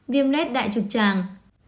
viêm lết đại trực tràng